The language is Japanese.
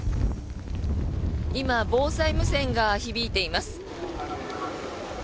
今、防災無線が響いています。